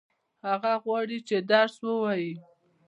هغه غواړي چې درس ووايي.